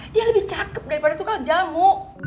dia lebih cakep daripada tukang jamu